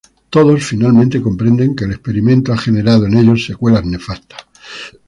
Todos finalmente comprenden que el experimento ha generado en ellos secuelas nefastas.